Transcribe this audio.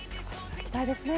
期待ですね。